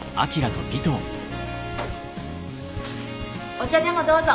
お茶でもどうぞ。